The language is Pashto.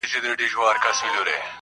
• د اختر سهار ته مي.